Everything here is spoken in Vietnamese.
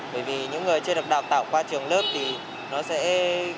bởi vì những người chưa được đào tạo qua trường lớp thì nó sẽ